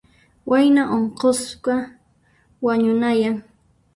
Wayna unqusqa wañunayan.